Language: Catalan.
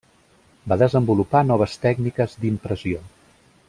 Va desenvolupar noves tècniques d'impressió.